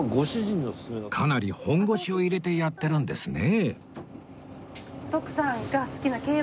かなり本腰を入れてやってるんですね